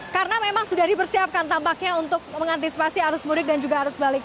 karena memang sudah dibersiapkan tampaknya untuk mengantisipasi arus mudik dan juga arus balik